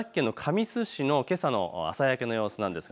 茨城県の神栖市のけさの朝焼けの様子です。